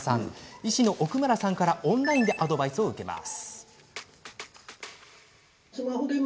医師の奥村さんからオンラインでアドバイスを受けます。